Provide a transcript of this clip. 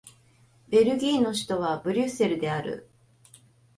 ベルギーの首都はブリュッセルである